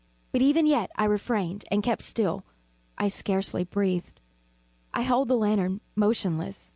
But even yet I refrained and kept still. I scarcely breathed. I held the lantern motionless.